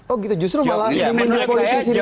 oh gitu justru malah memimpin politik di dalam